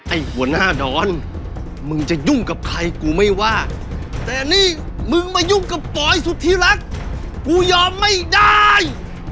ไอ้หัวหน้าดอนมึงจะยุ่งกับใครกูไม่ว่าแต่นี่มึงมายุ่งกับปอยสุธิรักกูยอมไม่ได้